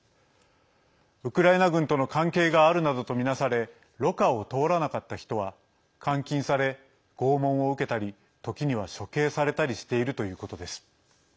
ウクライナ軍との関係があるなどとみなされ「ろ過」を通らなかった人は監禁され、拷問を受けたり時には処刑されたりしているということです。